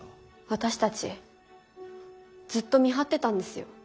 私たちずっと見張ってたんですよ。